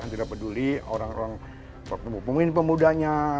tidak peduli orang orang mungkin pemudanya